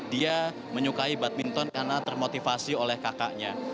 dia menyukai badminton karena termotivasi oleh kakaknya